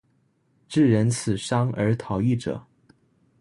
致人死傷而逃逸者